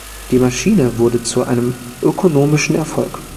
Die Maschine wurde zu einem ökonomischen Erfolg.